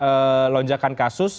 seperti yang anda katakan pak wagup